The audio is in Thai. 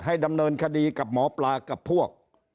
ดำเนินคดีกับหมอปลากับพวก